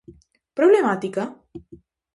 Problemática?